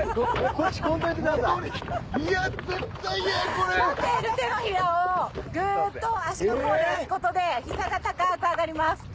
持っている手のひらをグっと足の甲で押すことで膝が高く上がります。